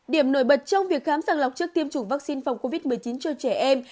điểm nổi bật trong việc khám sàng lọc trước tiêm chủng vaccine phòng covid một mươi chín cho trẻ em